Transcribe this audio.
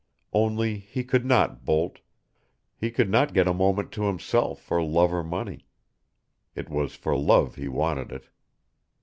Only he could not bolt he could not get a moment to himself for love or money. It was for love he wanted it.